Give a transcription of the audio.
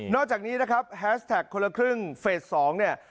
อกจากนี้นะครับแฮสแท็กคนละครึ่งเฟส๒เนี่ย